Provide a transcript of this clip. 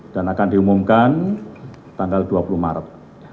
dan akan diumumkan tanggal dua puluh maret